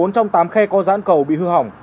bốn trong tám khe có giãn cầu bị hư hỏng